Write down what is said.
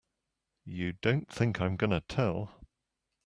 You don't think I'm gonna tell!